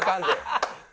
ハハハハ！